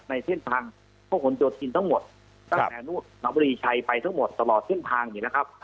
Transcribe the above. ในเส้นทางพวกคนโจทินทั้งหมดตั้งแต่นู่นเราบริชัยไปทั้งหมดตลอดเส้นทางนี้นะครับ